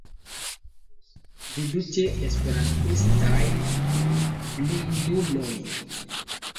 Vidu ĉe Esperantistaj blinduloj.